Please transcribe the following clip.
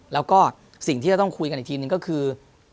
แล้วก็สิ่งที่จะต้องคุยกันอีกทีนึงก็คือ